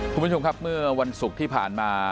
คุณผู้ชมครับเมื่อวันศุกร์ที่ผ่านมา